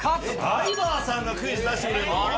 ダイバーさんがクイズ出してくれるの？